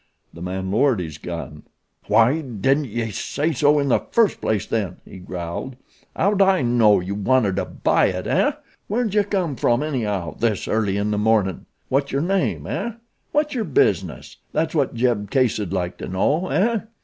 The man lowered his gun. "Wy didn't ye say so in the first place then?" he growled. "How'd I know you wanted to buy it, eh? Where'd ye come from anyhow, this early in the mornin'? What's yer name, eh? What's yer business, that's what Jeb Case'd like to know, eh?"